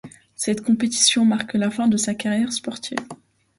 Cette compétition marque la fin de sa carrière sportive.